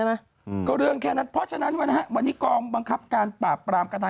แบบวันนี้กรมบังคับการตราบราม